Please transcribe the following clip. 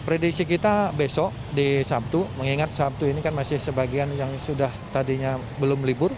prediksi kita besok di sabtu mengingat sabtu ini kan masih sebagian yang sudah tadinya belum libur